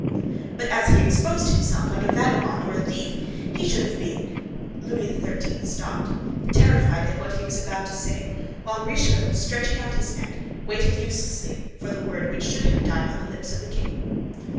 "But as he exposed himself like a vagabond or a thief, he should have been—" Louis XIII. stopped, terrified at what he was about to say, while Richelieu, stretching out his neck, waited uselessly for the word which had died on the lips of the king.